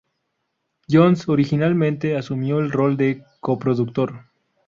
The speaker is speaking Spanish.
Johns originalmente asumió el rol de coproductor.